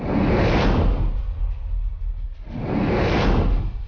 jurus angin lengan seribu